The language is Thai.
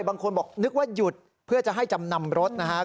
บางคนบอกนึกว่าหยุดเพื่อจะให้จำนำรถนะครับ